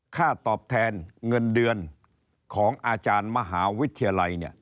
ค่าตอบแทนเงินเดือนของอาจารย์มหาวิทยาลัย